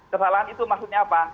kesalahan itu maksudnya apa